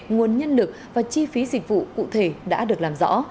nguồn nhân lực và chi phí dịch vụ cụ thể đã được làm rõ